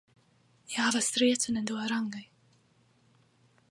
Ne havas striecon en duarangaj.